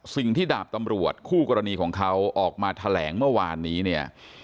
สิ่งที่ดาบตำรวจคู่กรณีของเขาออกมาแถลงเมื่อวานนี้เนี่ย